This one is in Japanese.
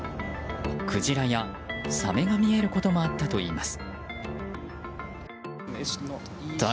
クジラやサメが見えることもあったといいます。